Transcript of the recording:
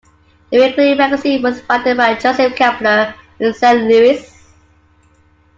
The weekly magazine was founded by Joseph Keppler in Saint Louis.